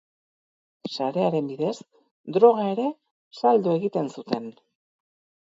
Sarearen bidez droga ere saldu egiten zuten.